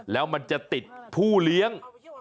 แล้วมันจะติดผู้เลี้ยง